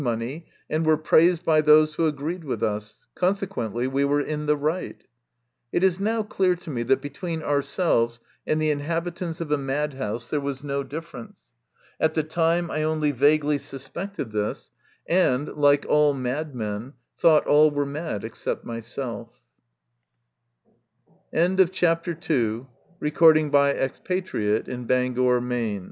17 money, and were praised by those who agreed with us, consequently we were in the right. It is now clear to me that between ourselves and the inhabitants of a madhouse there was no difference ; at the time I only vaguely suspected this, and, like all madmen, thought all were mad except m